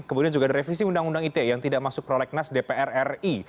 kemudian juga revisi undang undang ite yang tidak masuk prolegnas dpr ri